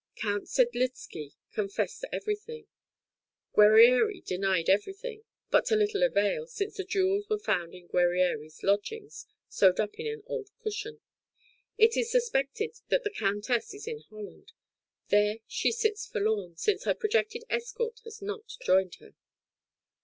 Count Sedlizky confessed everything; Guerrieri denied everything, but to little avail, since the jewels were found in Guerrieri's lodgings, sewed up in an old cushion. It is suspected that the Countess is in Holland; there she sits forlorn, since her projected escort has not joined her.